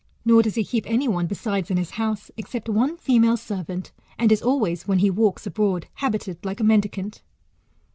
Nor does he keep any one besides in his house, except one female servant ; and is always, when he walks abroad, habited like a mendicant.